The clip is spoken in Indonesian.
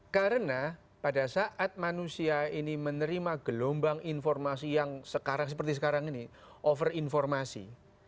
karena pada saat manusia ini menerima gelombang informasi yang sekarang seperti sekarang ini over informasi